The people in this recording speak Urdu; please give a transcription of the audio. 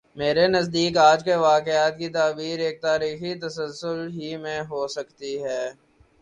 میرے نزدیک آج کے واقعات کی تعبیر ایک تاریخی تسلسل ہی میں ہو سکتی ہے۔